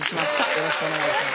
よろしくお願いします。